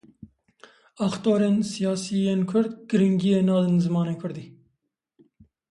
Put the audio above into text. Aktorên siyasî yên kurd, giringiyê nadin zimanê kurdî.